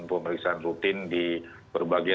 pemeriksaan rutin di berbagai